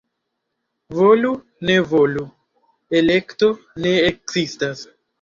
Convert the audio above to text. Volu-ne-volu, — elekto ne ekzistas.